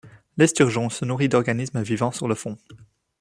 L'esturgeon se nourrit d'organismes vivant sur le fond.